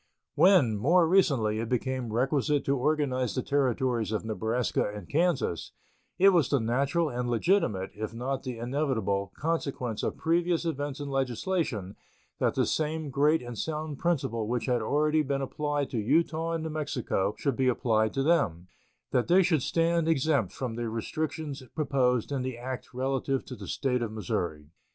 When, more recently, it became requisite to organize the Territories of Nebraska and Kansas, it was the natural and legitimate, if not the inevitable, consequence of previous events and legislation that the same great and sound principle which had already been applied to Utah and New Mexico should be applied to them that they should stand exempt from the restrictions proposed in the act relative to the State of Missouri.